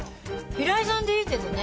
平井さんでいいけどね。